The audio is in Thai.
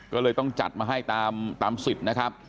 ก็เลยต้องจัดมาให้ตามสิทธิ์นะครับ